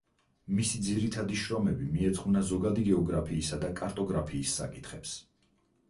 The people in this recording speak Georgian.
მისი ძირითადი შრომები მიეძღვნა ზოგადი გეოგრაფიისა და კარტოგრაფიის საკითხებს.